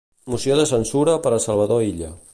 Moció de censura per a Salvador Illa